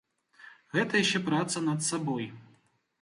Гэта яшчэ праца над сабой.